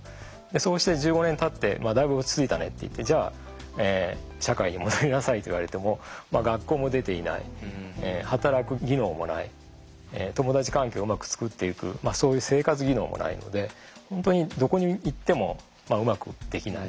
そうして１５年たってだいぶ落ち着いたねっていってじゃあ社会に戻りなさいっていわれても学校も出ていない働く技能もない友達関係をうまく作っていくそういう生活技能もないので本当にどこに行ってもうまくできない。